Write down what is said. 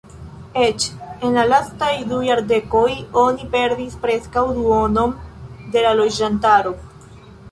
Eĉ en la lastaj du jardekoj oni perdis preskaŭ duonon de la loĝantaro.